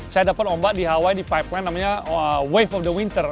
saya dapat ombak di hawaii di pipeline namanya wave of the winter